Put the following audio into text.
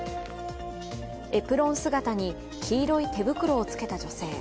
エプロン姿に黄色い手袋を着けた女性。